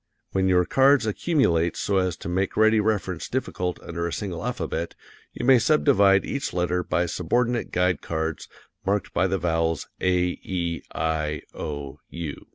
When your cards accumulate so as to make ready reference difficult under a single alphabet, you may subdivide each letter by subordinate guide cards marked by the vowels, A, E, I, O, U.